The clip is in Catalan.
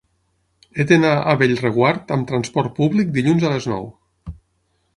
He d'anar a Bellreguard amb transport públic dilluns a les nou.